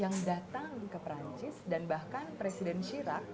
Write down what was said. yang datang ke perancis dan bahkan presiden syira